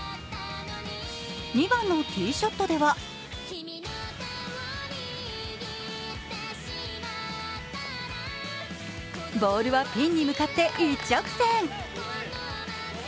２番のティーショットではボールはピンに向かって一直線。